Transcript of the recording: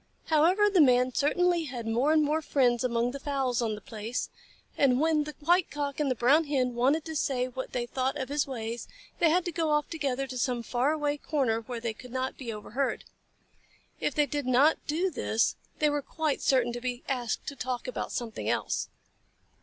However, the Man certainly had more and more friends among the fowls on the place, and when the White Cock and the Brown Hen wanted to say what they thought of his ways, they had to go off together to some far away corner where they could not be overheard. If they did not do this, they were quite certain to be asked to talk about something else.